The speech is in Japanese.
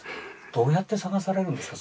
どうやって捜されるんですか？